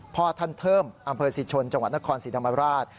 พอท่านเทิมอำเภอศิษย์ชนจังหวัดนครสินามราช